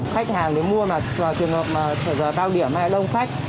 khách hàng mua mà trường hợp giờ cao điểm hay đông khách